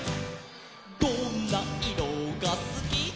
「どんないろがすき」